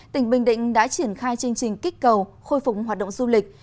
tỉnh bình định đã triển khai chương trình kích cầu khôi phục hoạt động du lịch